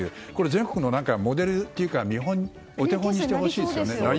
全国のモデルというかお手本になってほしいですね。